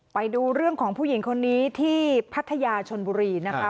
ไปดูเรื่องของผู้หญิงคนนี้ที่พัทยาชนบุรีนะคะ